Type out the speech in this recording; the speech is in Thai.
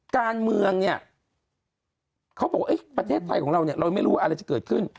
การเมืองเนี่ยเขาบอกว่าประเทศไทยของเราเนี่ยเราไม่รู้อะไรจะเกิดขึ้น